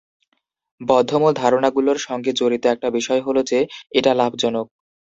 বদ্ধমূল ধারণাগুলোর সঙ্গে জড়িত একটা বিষয় হল যে, এটা লাভজনক।